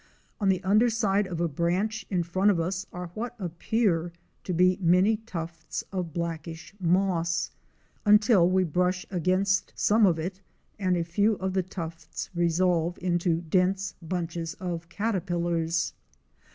On the under side of a branch in front of us are what appear to be many tufts of blackish moss—until we brush against some of it and a few of the tufts resolve into dense bunches of caterpillars.